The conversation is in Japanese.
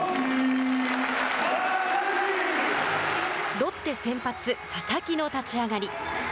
ロッテ先発佐々木の立ち上がり。